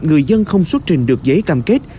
người dân không xuất trình được giấy cam kết